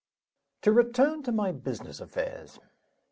To return to my business affairs.